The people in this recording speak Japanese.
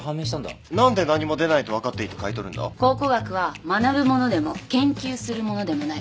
考古学は学ぶものでも研究するものでもない。